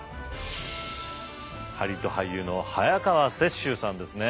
ハリウッド俳優の早川雪洲さんですね。